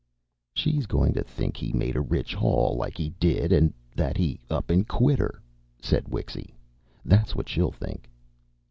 "She's goin' to think he made a rich haul, like he did, and that he up and quit her," said Wixy. "That's what she'll think."